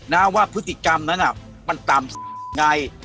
น่าว่าพฤติกรรมนั้นน่ะมันตามไง